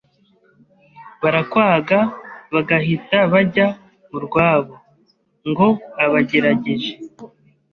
barakwaga bagahita bajya mu rwabo, ngo abagerageje,